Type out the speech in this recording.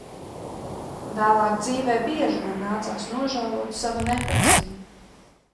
Vēlāk dzīvē bieži man nācās nožēlot savu neprasmi.